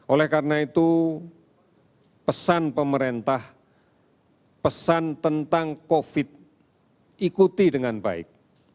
oleh karena itu pesan pemerintah pesan tentang covid sembilan belas ikuti dengan baik